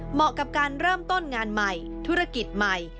เหมาะกับการเริ่มต้นงานใหม่ธุรกิจใหม่